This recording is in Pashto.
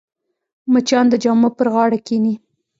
مچان د جامو پر غاړه کښېني